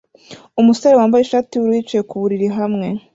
Umusore wambaye ishati yubururu yicaye ku buriri hamwe